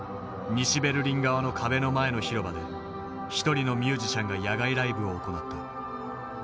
西ベルリン側の壁の前の広場で一人のミュージシャンが野外ライブを行った。